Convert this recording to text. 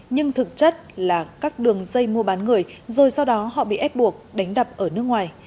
nhưng thực chất là các đường dây mua bán người rồi sau đó họ bị ép buộc đánh đập ở nước ngoài